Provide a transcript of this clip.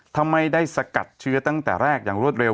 ถ้าไม่ได้สกัดเชื้อตั้งแต่แรกอย่างรวดเร็ว